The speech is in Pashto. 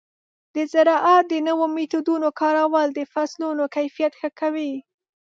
د زراعت د نوو میتودونو کارول د فصلونو کیفیت ښه کوي.